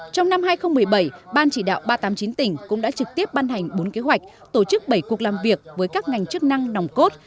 trong năm hai nghìn một mươi bảy ban chỉ đạo ba trăm tám mươi chín tỉnh cũng đã trực tiếp ban hành bốn kế hoạch tổ chức bảy cuộc làm việc với các ngành chức năng nòng cốt